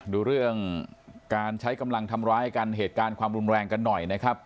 ดูเรื่องการใช้กำลังทำร้ายกันเหตุการณ์ความรุนแรงกันหน่อยนะครับ